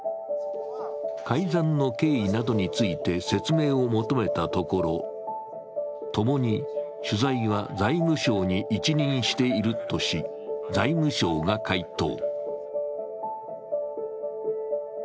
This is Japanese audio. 改ざんの経緯などについて説明を求めたところ、ともに取材は財務省に一任しているとし、財務省が回答。